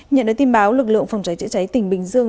nhận được tin báo lực lượng phòng cháy chữa cháy tỉnh bình dương